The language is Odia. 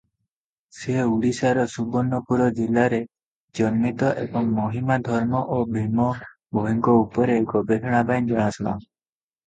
ସେ ଓଡ଼ିଶାର ସୁବର୍ଣ୍ଣପୁର ଜିଲ୍ଲାରେ ଜନ୍ମିତ ଏବଂ ମହିମା ଧର୍ମ ଓ ଭୀମ ଭୋଇଙ୍କ ଉପରେ ଗବେଷଣା ପାଇଁ ଜଣାଶୁଣା ।